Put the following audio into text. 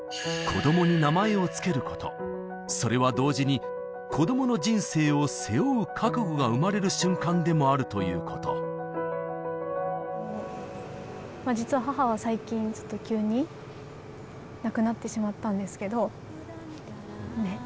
子どもに名前を付けることそれは同時に子どもの人生を背負う覚悟が生まれる瞬間でもあるということ実は母は最近ちょっと急に亡くなってしまったんですけど。